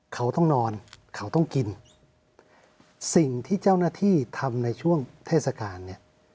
เขาต้องนอนเขาต้องกินสิ่งที่เจ้าหน้าที่ทำในช่วงเทศกาลเนี่ย